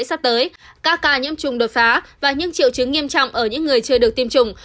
các ca nhiễm trùng đột phá và những triệu chứng nghiêm trọng ở những người chưa được tiêm trùng